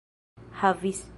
havis